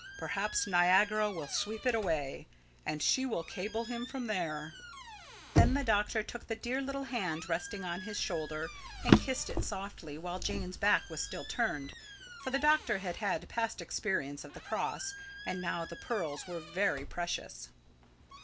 Perhaps Niagara will sweep it away, and she will cable him from there." Then the doctor took the dear little hand resting on his shoulder and kissed it softly, while Jane's back was still turned. For the doctor had had past experience of the cross, and now the pearls were very precious.